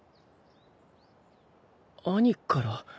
兄から？